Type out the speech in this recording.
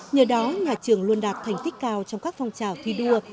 nhờ đó nhà trường luôn đạt thành tích cao trong các phong trào thi đua